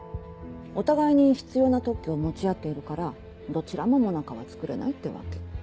お互いに必要な特許を持ち合っているからどちらももなかは作れないってわけ。